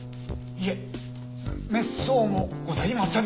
いえめっそうもございません。